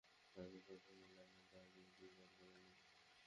আমি সবসময় লাইনে দাঁড়িয়ে দুইবার করে নিই।